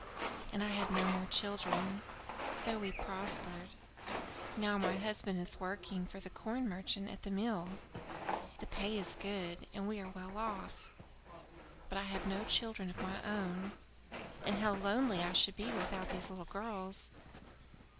And I had no more children, though we prospered. Now my husband is working for the corn merchant at the mill. The pay is good, and we are well off. But I have no children of my own, and how lonely I should be without these little girls!